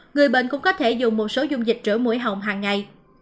người bệnh cũng có thể dùng một số dung dịch rửa mũi hỏng hàng ngày